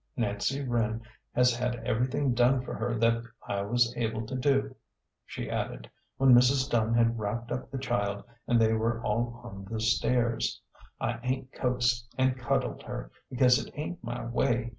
" Nancy Wren has had everything done for her that I was able to do," she added, when Mrs. Dunn had wrapped up the child, and they were all on the stairs. " I ain't coaxed an' cuddled her, because it ain't my way.